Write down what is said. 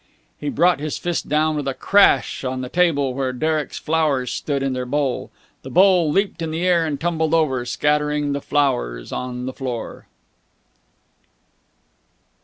He brought his fist down with a crash on the table where Derek's flowers stood in their bowl. The bowl leaped in the air and tumbled over, scattering the flowers on the floor.